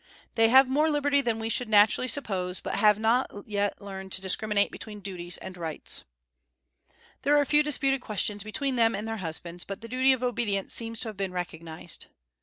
They have more liberty than we should naturally suppose, but have not yet learned to discriminate between duties and rights. There are few disputed questions between them and their husbands, but the duty of obedience seems to have been recognized.